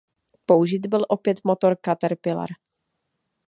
Použit byl opět motor Caterpillar.